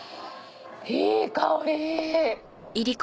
いい香り！